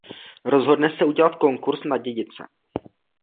Rozhodne se udělat konkurs na dědice.